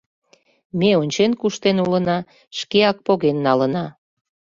— Ме ончен куштен улына, шкеак поген налына!